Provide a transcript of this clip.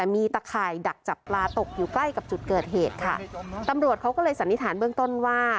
มีตะข่ายดักจับปลาตกอยู่ใกล้กับจุดเกิดเหตุค่ะตำรวจเขาก็เลยสันนิษฐานเบื้องต้นว่า